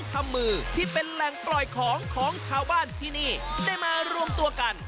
ทำมือที่เป็นแหล่งปล่อยของของชาวบ้านที่นี่ได้มารวมตัวกัน